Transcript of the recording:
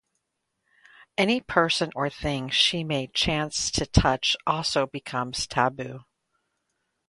Any person or thing she may chance to touch also becomes taboo.